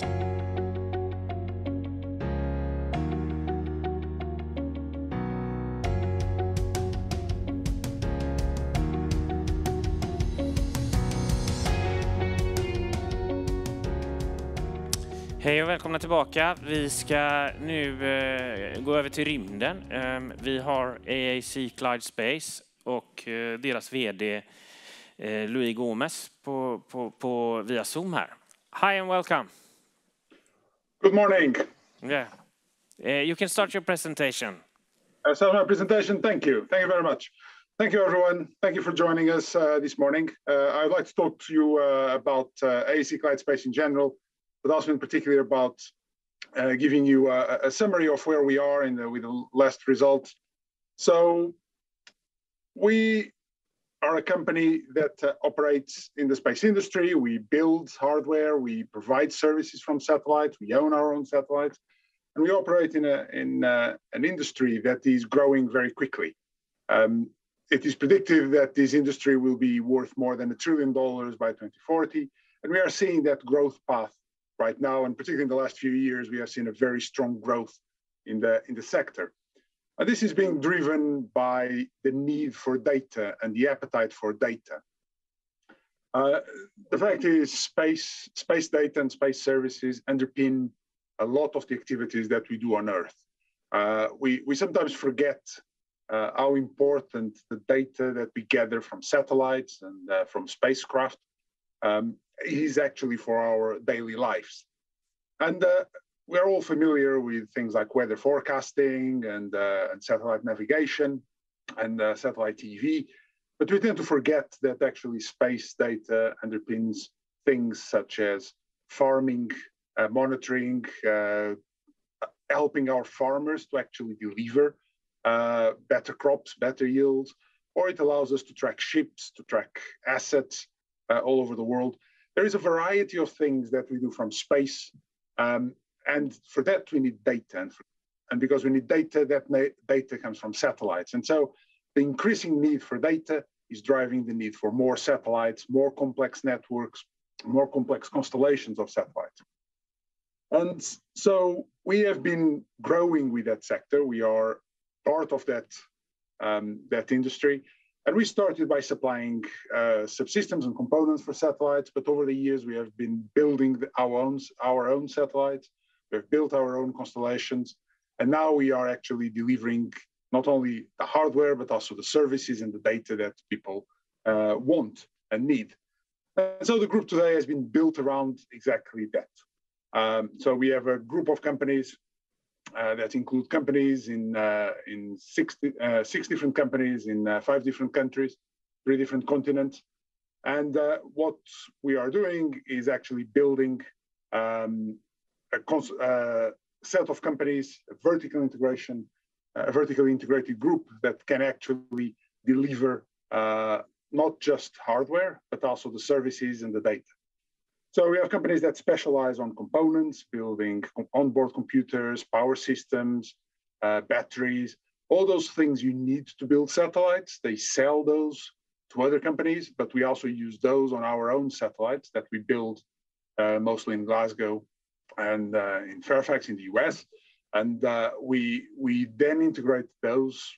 Hey, welcome back. We shall now go over to rymden. We have AAC Clyde Space, and their CEO, Luis Gomes, on via Zoom here. Hi, welcome. Good morning. Yeah. You can start your presentation. I start my presentation. Thank you. Thank you very much. Thank you, everyone. Thank you for joining us this morning. I would like to talk to you about AAC Clyde Space in general, but also in particular about giving you a summary of where we are and with the last results. We are a company that operates in the space industry. We build hardware, we provide services from satellites, we own our own satellites, and we operate in an industry that is growing very quickly. It is predicted that this industry will be worth more than $1 trillion by 2040, and we are seeing that growth path right now. Particularly in the last few years, we have seen a very strong growth in the sector. This is being driven by the need for data and the appetite for data. The fact is space data and space services underpin a lot of the activities that we do on Earth. We sometimes forget how important the data that we gather from satellites and from spacecraft is actually for our daily lives. We're all familiar with things like weather forecasting and satellite navigation and satellite TV. We tend to forget that actually space data underpins things such as farming monitoring helping our farmers to actually deliver better crops, better yields, or it allows us to track ships, to track assets all over the world. There is a variety of things that we do from space and for that we need data. Because we need data comes from satellites. The increasing need for data is driving the need for more satellites, more complex networks, more complex constellations of satellites. We have been growing with that sector. We are part of that industry. We started by supplying subsystems and components for satellites, but over the years we have been building our own satellites. We've built our own constellations, and now we are actually delivering not only the hardware, but also the services and the data that people want and need. The group today has been built around exactly that. We have a group of companies that include companies in six different companies in five different countries, three different continents. What we are doing is actually building a set of companies, a vertical integration, a vertically integrated group that can actually deliver not just hardware, but also the services and the data. We have companies that specialize on components, building on-board computers, power systems, batteries, all those things you need to build satellites. They sell those to other companies, but we also use those on our own satellites that we build, mostly in Glasgow and in Fairfax in the U.S. We then integrate those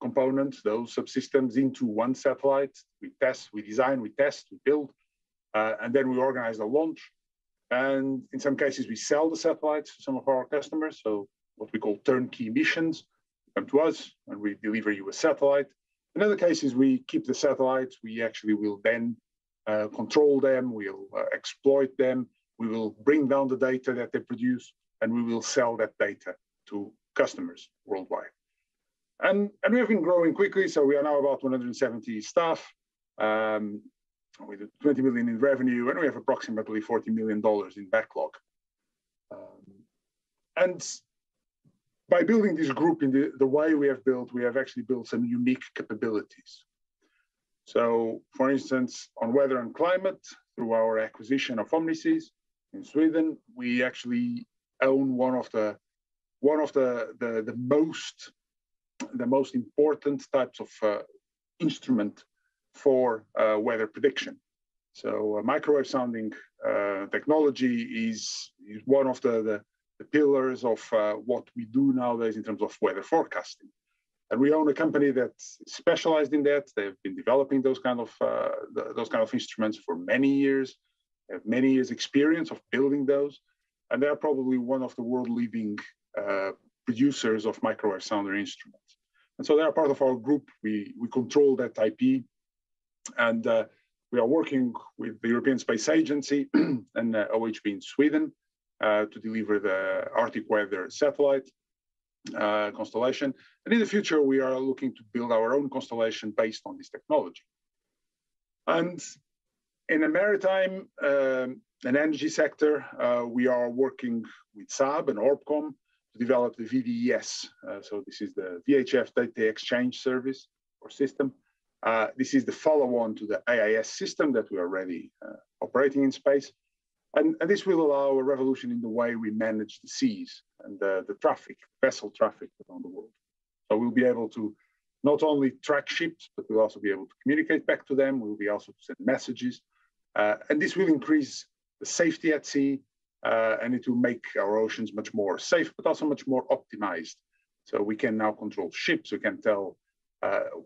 components, those subsystems into one satellite. We test, we design, we test, we build, and then we organize a launch. In some cases, we sell the satellites to some of our customers, so what we call turnkey missions. Come to us, and we deliver you a satellite. In other cases, we keep the satellites. We actually will then control them, we'll exploit them. We will bring down the data that they produce, and we will sell that data to customers worldwide. We have been growing quickly, so we are now about 170 staff, with 20 million in revenue, and we have approximately $40 million in backlog. By building this group in the way we have built, we have actually built some unique capabilities. For instance, on weather and climate, through our acquisition of Omnisys in Sweden, we actually own one of the most important types of instrument for weather prediction. Microwave sounding technology is one of the pillars of what we do nowadays in terms of weather forecasting. We own a company that's specialized in that. They've been developing those kind of instruments for many years. They have many years' experience of building those, and they are probably one of the world-leading producers of microwave sounder instruments. They are part of our group. We control that IP, and we are working with the European Space Agency and OHB Sweden AB to deliver the Arctic Weather Satellite constellation. In the maritime and energy sector, we are working with Saab and ORBCOMM to develop the VDES. This is the VHF Data Exchange Service or System. This is the follow-on to the AIS system that we are already operating in space. This will allow a revolution in the way we manage the seas and the traffic, vessel traffic around the world. We'll be able to not only track ships, but we'll also be able to communicate back to them, we'll be able to send messages. This will increase the safety at sea, and it will make our oceans much more safe, but also much more optimized. We can now control ships, we can tell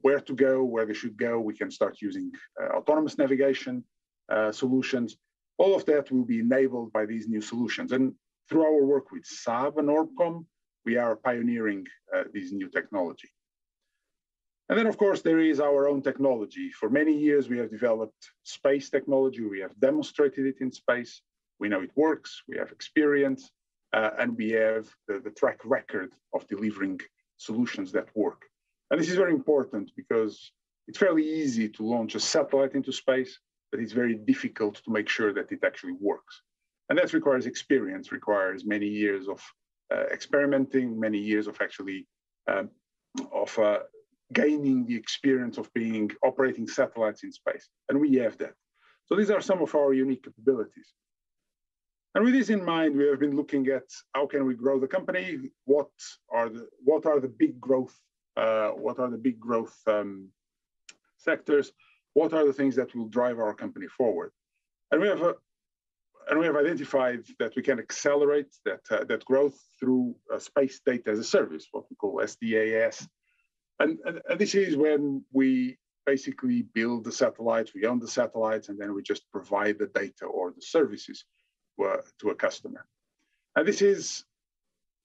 where to go, where they should go. We can start using autonomous navigation solutions. All of that will be enabled by these new solutions. Through our work with Saab and ORBCOMM, we are pioneering this new technology. Then of course, there is our own technology. For many years we have developed space technology, we have demonstrated it in space. We know it works, we have experience, and we have the track record of delivering solutions that work. This is very important because it's fairly easy to launch a satellite into space, but it's very difficult to make sure that it actually works. That requires experience, requires many years of experimenting, many years of actually gaining the experience of operating satellites in space, and we have that. These are some of our unique abilities. With this in mind, we have been looking at how can we grow the company? What are the big growth sectors? What are the things that will drive our company forward? We have identified that we can accelerate that growth through Space Data as a Service, what we call SDaaS. This is when we basically build the satellites, we own the satellites, and then we just provide the data or the services to a customer. This is,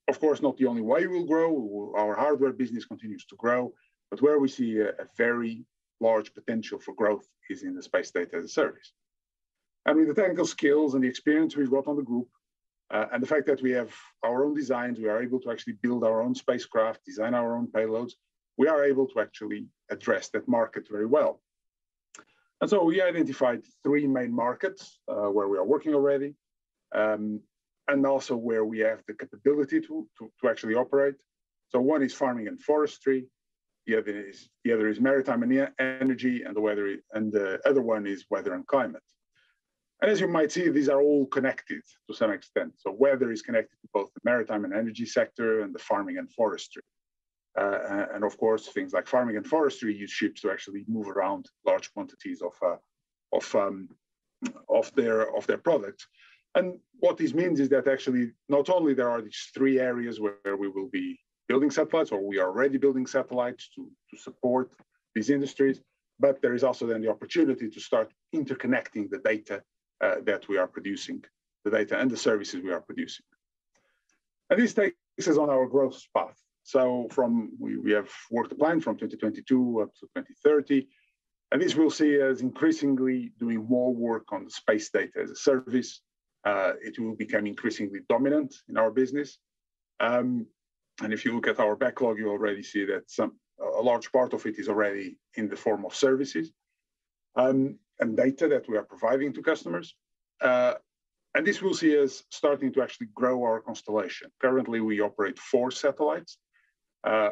of course, not the only way we'll grow. Our hardware business continues to grow. Where we see a very large potential for growth is in the Space Data as a Service. With the technical skills and the experience we've got on the group, and the fact that we have our own designs, we are able to actually build our own spacecraft, design our own payloads, we are able to actually address that market very well. We identified three main markets where we are working already, and also where we have the capability to actually operate. One is farming and forestry, the other is maritime and energy, and the other one is weather and climate. As you might see, these are all connected to some extent. Weather is connected to both the maritime and energy sector, and the farming and forestry. Of course, things like farming and forestry use ships to actually move around large quantities of their product. What this means is that actually, not only there are these three areas where we will be building satellites or we are already building satellites to support these industries, but there is also then the opportunity to start interconnecting the data that we are producing, the data and the services we are producing. This takes us on our growth path. We have worked a plan from 2022 up to 2030, and this we'll see as increasingly doing more work on the Space Data as a Service. It will become increasingly dominant in our business. And if you look at our backlog, you already see that a large part of it is already in the form of services and data that we are providing to customers. And this we'll see us starting to actually grow our constellation. Currently, we operate four satellites.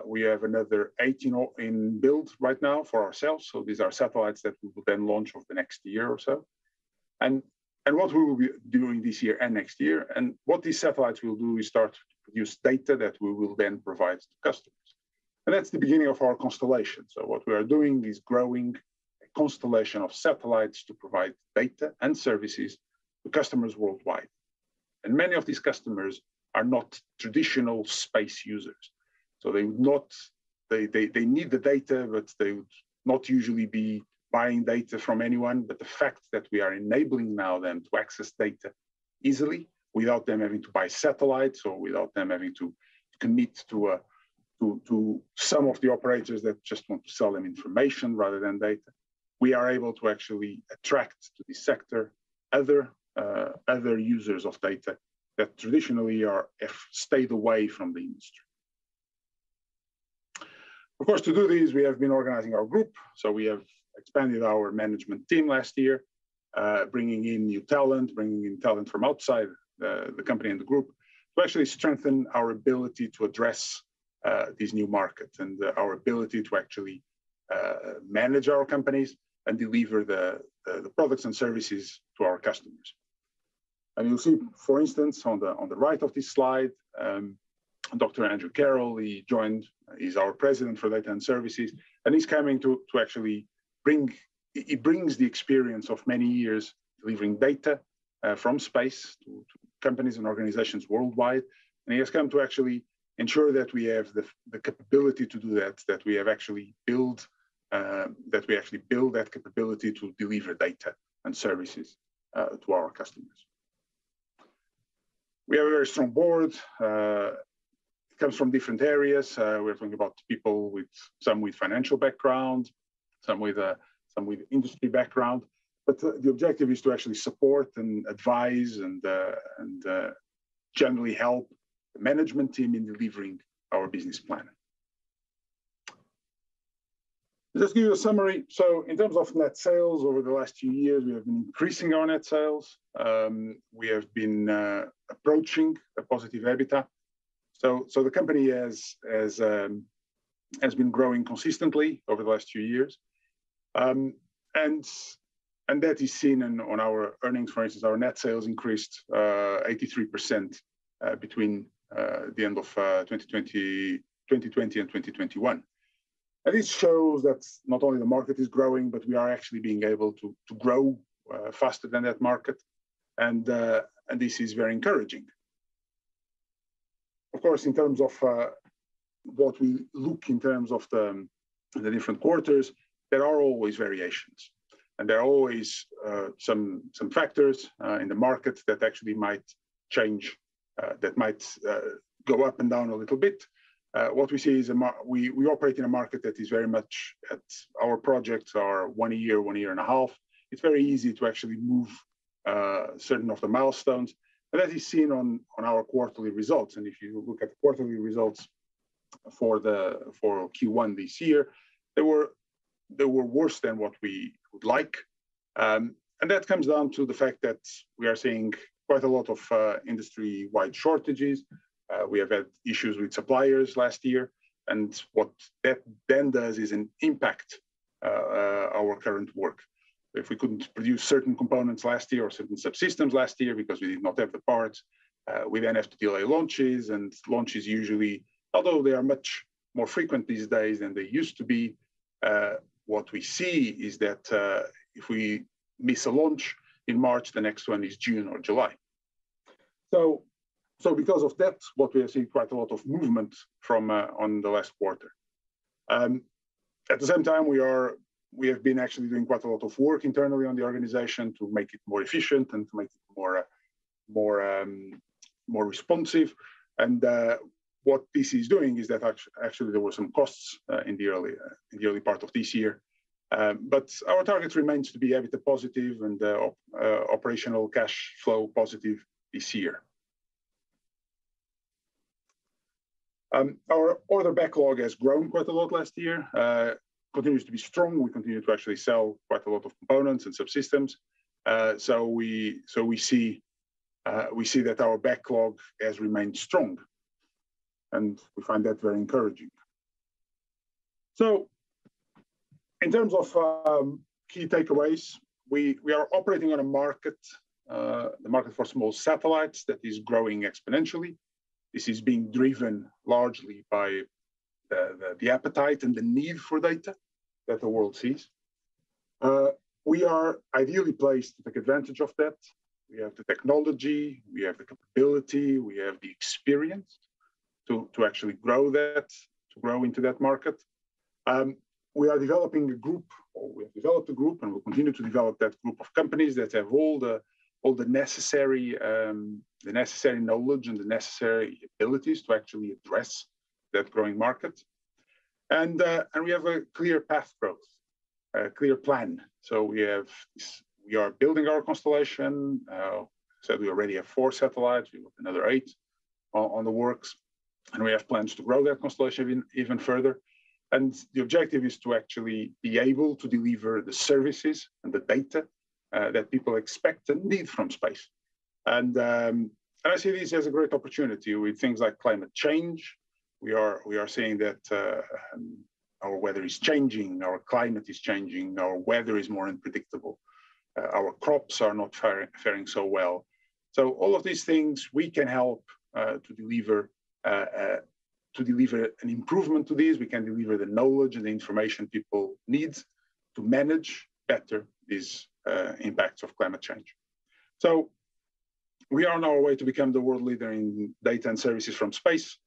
We have another 18 in build right now for ourselves. These are satellites that we will then launch over the next year or so. What we will be doing this year and next year, and what these satellites will do is start to produce data that we will then provide to customers. That's the beginning of our constellation. What we are doing is growing a constellation of satellites to provide data and services to customers worldwide. Many of these customers are not traditional space users. They need the data, but they would not usually be buying data from anyone. The fact that we are enabling now them to access data easily without them having to buy satellites or without them having to commit to a to some of the operators that just want to sell them information rather than data, we are able to actually attract to the sector other users of data that traditionally have stayed away from the industry. Of course, to do this, we have been organizing our group. We have expanded our management team last year bringing in new talent bringing in talent from outside the the company and the group to actually strengthen our ability to address these new markets and our ability to actually manage our companies and deliver the products and services to our customers. You'll see, for instance, on the on the right of this slide Dr. Andrew Carr, he joined. He's our President for Data and Services, and he's coming to actually bring. He brings the experience of many years delivering data from space to companies and organizations worldwide. He has come to actually ensure that we have the capability to do that we have actually built, that we actually build that capability to deliver data and services to our customers. We have a very strong board, comes from different areas. We're talking about people with some with financial background, some with some with industry background. The objective is to actually support and advise and generally help the management team in delivering our business plan. Just to give you a summary. In terms of net sales, over the last two years, we have been increasing our net sales. We have been approaching a positive EBITDA. The company has been growing consistently over the last two years. That is seen in our earnings. For instance, our net sales increased 83% between the end of 2020 and 2021. This shows that not only the market is growing, but we are actually being able to grow faster than that market. This is very encouraging. Of course, in terms of what we look at in terms of the different quarters, there are always variations, and there are always some factors in the market that actually might change, that might go up and down a little bit. What we see is we operate in a market that is very much at our projects are one a year, one year and a half. It's very easy to actually move certain of the milestones, and that is seen on our quarterly results. If you look at the quarterly results for Q1 this year, they were worse than what we would like. That comes down to the fact that we are seeing quite a lot of industry-wide shortages. We have had issues with suppliers last year, and what that then does is an impact our current work. If we couldn't produce certain components last year or certain subsystems last year because we did not have the parts, we then have to delay launches. Launches usually, although they are much more frequent these days than they used to be, what we see is that if we miss a launch in March, the next one is June or July. Because of that, what we have seen is quite a lot of movement from one quarter on to the last quarter. At the same time, we have been actually doing quite a lot of work internally on the organization to make it more efficient and to make it more responsive. What this is doing is that actually there were some costs in the early part of this year. Our target remains to be EBITDA positive and operational cash flow positive this year. Our order backlog has grown quite a lot last year, continues to be strong. We continue to actually sell quite a lot of components and subsystems. We see that our backlog has remained strong, and we find that very encouraging. In terms of key takeaways, we are operating on a market, the market for small satellites that is growing exponentially. This is being driven largely by the appetite and the need for data that the world sees. We are ideally placed to take advantage of that. We have the technology, we have the capability, we have the experience to actually grow that, to grow into that market. We are developing a group, or we have developed a group, and we'll continue to develop that group of companies that have all the necessary knowledge and the necessary abilities to actually address that growing market. We have a clear path to growth, a clear plan. We are building our constellation. We already have four satellites. We have another eight in the works, and we have plans to grow that constellation even further. The objective is to actually be able to deliver the services and the data that people expect and need from space. I see this as a great opportunity with things like climate change. We are seeing that our weather is changing, our climate is changing, our weather is more unpredictable. Our crops are not faring so well. All of these things we can help to deliver an improvement to these. We can deliver the knowledge and the information people need to manage better these impacts of climate change. We are on our way to become the world leader in data and services from space,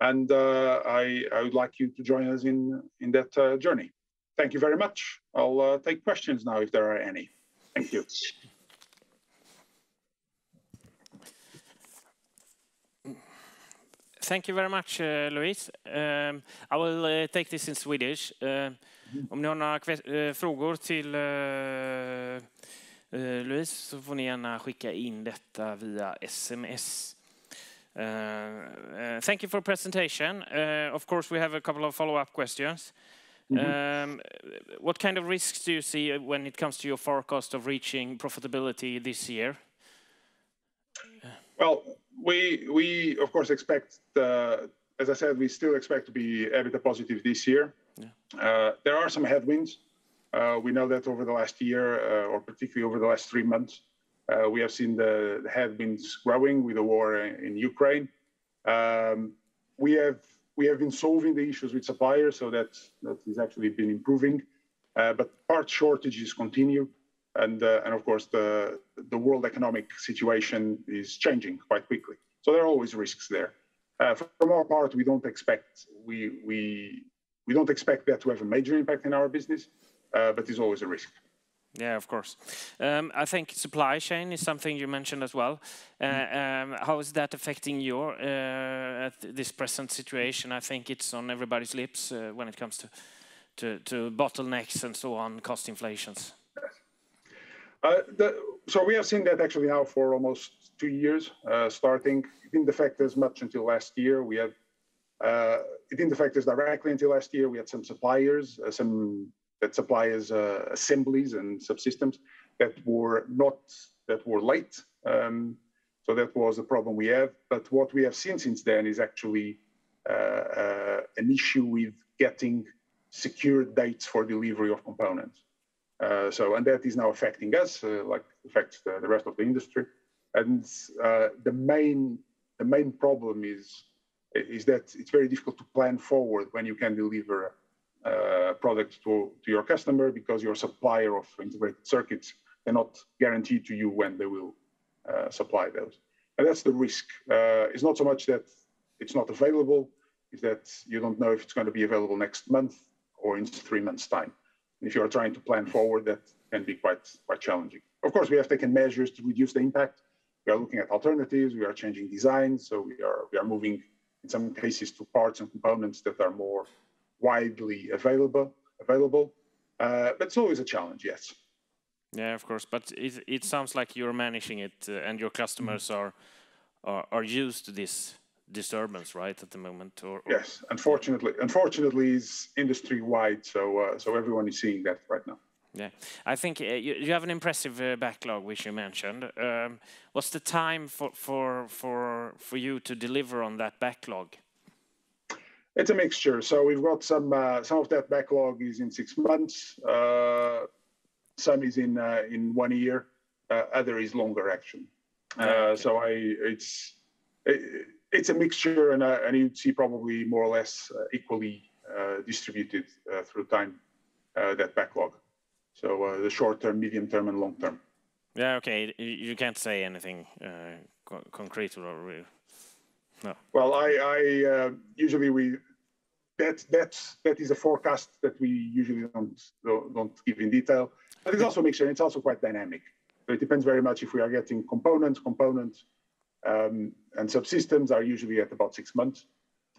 and I would like you to join us in that journey. Thank you very much. I'll take questions now if there are any. Thank you. Thank you very much, Luis. I will take this in Swedish. Mm-hmm. Thank you for presentation. Of course, we have a couple of follow-up questions. Mm-hmm. What kind of risks do you see when it comes to your forecast of reaching profitability this year? Well, as I said, we still expect to be EBITDA positive this year. Yeah. There are some headwinds. We know that over the last year, or particularly over the last three months, we have seen the headwinds growing with the war in Ukraine. We have been solving the issues with suppliers, so that has actually been improving. Part shortages continue, and of course, the world economic situation is changing quite quickly. There are always risks there. From our part, we don't expect that to have a major impact in our business, but there's always a risk. Yeah, of course. I think supply chain is something you mentioned as well. Mm-hmm. How is that affecting your this present situation? I think it's on everybody's lips when it comes to bottlenecks and so on, cost inflations. We have seen that actually now for almost two years, starting. It didn't affect us much until last year. It didn't affect us directly until last year. We had some suppliers, some suppliers, assemblies and subsystems that were late. That was a problem we have. What we have seen since then is actually an issue with getting secure dates for delivery of components. That is now affecting us, like affects the rest of the industry. The main problem is that it's very difficult to plan forward when you can deliver products to your customer because your supplier of integrated circuits cannot guarantee to you when they will supply those. That's the risk. It's not so much that it's not available, it's that you don't know if it's gonna be available next month or in three months' time. If you are trying to plan forward, that can be quite challenging. Of course, we have taken measures to reduce the impact. We are looking at alternatives. We are changing designs, so we are moving, in some cases, to parts and components that are more widely available. It's always a challenge, yes. Yeah, of course. It sounds like you're managing it, and your customers are used to this disturbance, right, at the moment? Yes. Unfortunately, it's industry-wide, so everyone is seeing that right now. Yeah. I think you have an impressive backlog, which you mentioned. What's the time for you to deliver on that backlog? It's a mixture. We've got some of that backlog is in six months. Some is in one year. Other is longer action. Okay. It's a mixture, and you'd see probably more or less equally distributed through time, that backlog. The short term, medium term, and long term. Yeah, okay. You can't say anything, concrete or, no? Well, I that is a forecast that we usually don't give in detail. It's also a mixture and it's also quite dynamic. It depends very much if we are getting components. Components and subsystems are usually at about six months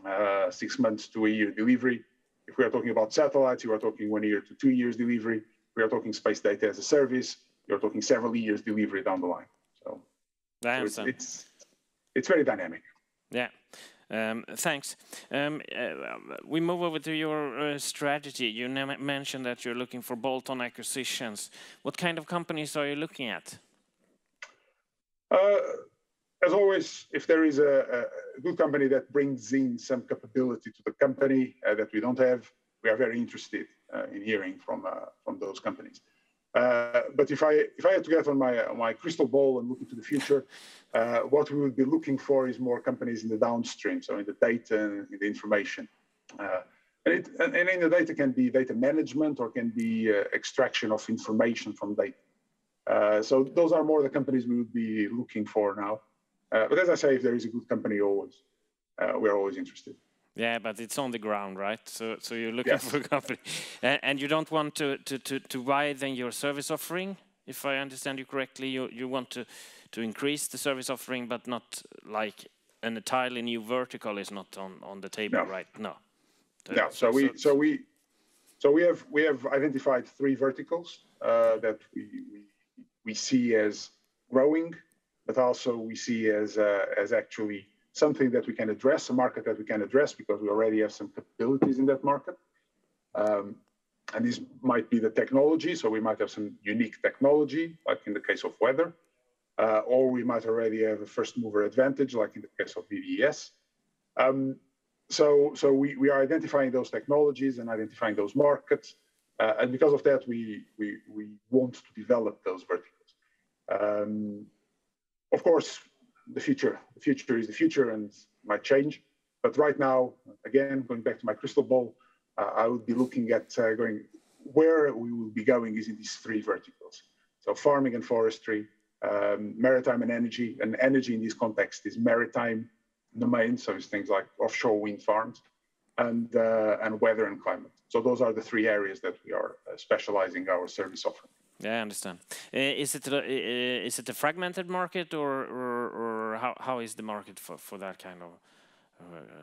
to a year delivery. If we are talking about satellites, you are talking one year to two years delivery. We are talking Space Data as a Service, we are talking several years delivery down the line, so. I understand. It's very dynamic. Yeah. Thanks. We move over to your strategy. You mention that you're looking for bolt-on acquisitions. What kind of companies are you looking at? As always, if there is a good company that brings in some capability to the company that we don't have, we are very interested in hearing from those companies. If I had to guess on my crystal ball and look into the future, what we would be looking for is more companies in the downstream, so in the data and in the information. The data can be data management or extraction of information from data. Those are more the companies we would be looking for now. As I say, if there is a good company always, we're always interested. Yeah, it's on the ground, right? You're looking- Yes ...for company. You don't want to widen your service offering, if I understand you correctly. You want to increase the service offering, but not, like, an entirely new vertical is not on the table right now. No. So- Yeah. We have identified three verticals that we see as growing, but also we see as actually something that we can address, a market that we can address because we already have some capabilities in that market. This might be the technology, so we might have some unique technology, like in the case of weather. We might already have a first-mover advantage, like in the case of VDES. We are identifying those technologies and identifying those markets, and because of that, we want to develop those verticals. Of course, the future. The future is the future and might change. Right now, again, going back to my crystal ball, I would be looking at going where we will be going is in these three verticals. Farming and forestry, maritime and energy, and energy in this context is maritime domain, so it's things like offshore wind farms, and weather and climate. Those are the three areas that we are specializing our service offering. Yeah, I understand. Is it a fragmented market, or how is the market for that kind of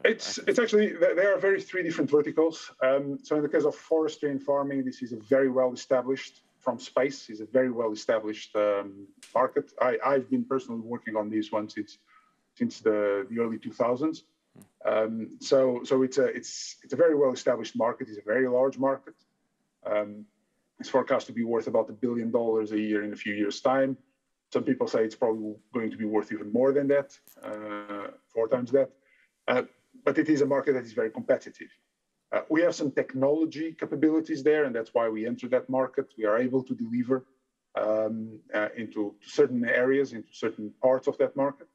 They are three very different verticals. In the case of forestry and farming, this is a very well-established market from space. I've been personally working on these ones since the early 2000s. It's a very well-established market. It's a very large market. It's forecast to be worth about $1 billion a year in a few years' time. Some people say it's probably going to be worth even more than that, four times that. It is a market that is very competitive. We have some technology capabilities there, and that's why we enter that market. We are able to deliver into certain areas, into certain parts of that market.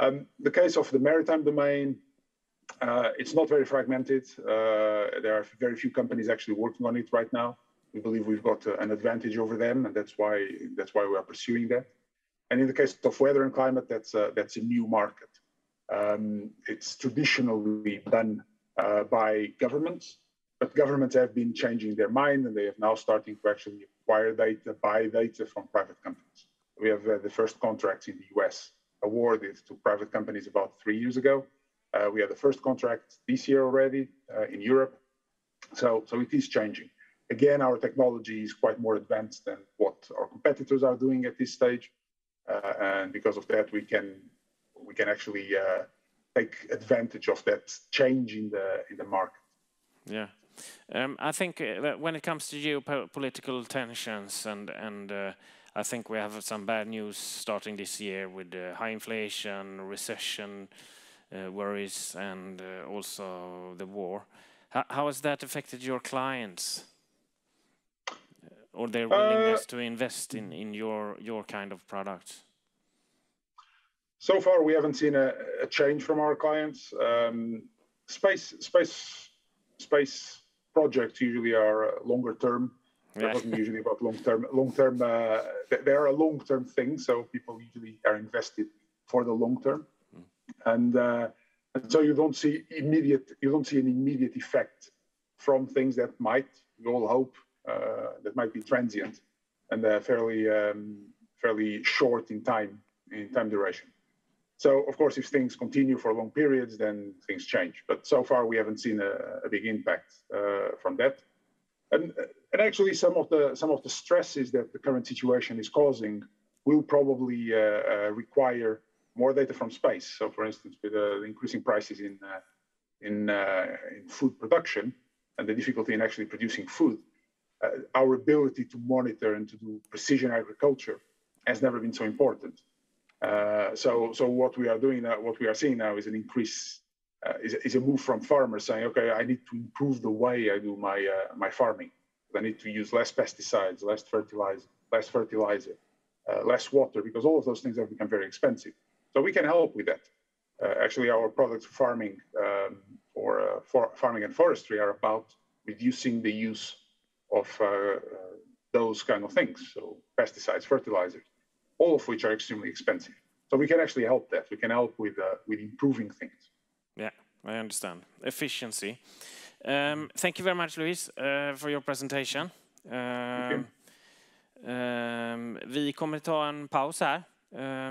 In the case of the maritime domain, it's not very fragmented. There are very few companies actually working on it right now. We believe we've got an advantage over them, and that's why we are pursuing that. In the case of weather and climate, that's a new market. It's traditionally been by governments, but governments have been changing their mind, and they have now starting to actually acquire data, buy data from private companies. We have the first contract in the U.S. awarded to private companies about three years ago. We had the first contract this year already in Europe. It is changing. Again, our technology is quite more advanced than what our competitors are doing at this stage. Because of that, we can actually take advantage of that change in the market. Yeah. I think when it comes to geopolitical tensions and I think we have some bad news starting this year with high inflation, recession worries, and also the war. How has that affected your clients or their willingness to invest in your kind of products? So far, we haven't seen a change from our clients. Space projects usually are longer term. Yeah. It wasn't usually about long-term. Long-term, they are a long-term thing, so people usually are invested for the long term. Mm. You don't see an immediate effect from things that might be transient, we all hope, and they're fairly short in time duration. Of course, if things continue for long periods, then things change, but so far we haven't seen a big impact from that. Actually some of the stresses that the current situation is causing will probably require more data from space. For instance, with increasing prices in food production and the difficulty in actually producing food, our ability to monitor and to do precision agriculture has never been so important. What we are seeing now is a move from farmers saying, "Okay, I need to improve the way I do my farming. I need to use less pesticides, less fertilizer, less water," because all of those things have become very expensive. We can help with that. Actually our products for farming and forestry are about reducing the use of those kind of things, so pesticides, fertilizers, all of which are extremely expensive. We can actually help that. We can help with improving things. Yeah. I understand. Efficiency. Thank you very much, Luis, for your presentation. Thank you. We're going to take a pause here.